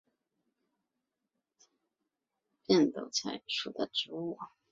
疏花变豆菜为伞形科变豆菜属的植物。